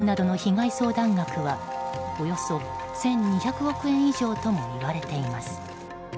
霊感商法などの被害相談額はおよそ１２００億円以上ともいわれています。